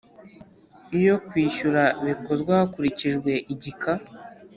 Iyo kwishyura bikozwe hakurikijwe igika